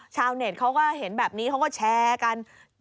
ชาวเน็ตเขาก็เห็นแบบนี้เขาก็แชร์กัน